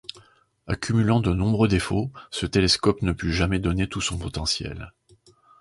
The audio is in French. Accumulant de nombreux défauts, ce télescope ne put jamais donner tout son potentiel.